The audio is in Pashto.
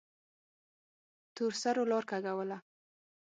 تورسرو لار کږوله.